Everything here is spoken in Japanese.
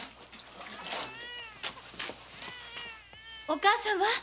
お母様！